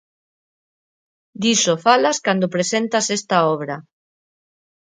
Diso falas cando presentas esta obra.